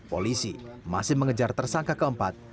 polisi masih mengejar tersangka keempat